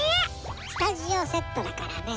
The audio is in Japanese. スタジオセットだからね。